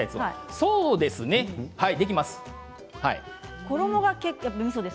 そうですね、できます。